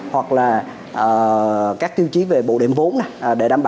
hoặc là các tiêu chí về bộ điểm vốn để đảm bảo tiêu chí về bây giờ hai